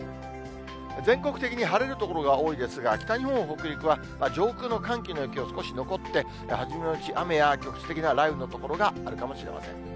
全国的に晴れる所が多いですが、北日本、北陸は上空の寒気の影響少し残って、初めのうち、局地的な雨や雷雨の所があるかもしれません。